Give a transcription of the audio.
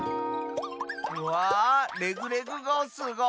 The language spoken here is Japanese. うわレグレグごうすごい！